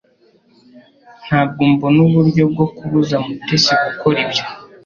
Ntabwo mbona uburyo bwo kubuza Mutesi gukora ibyo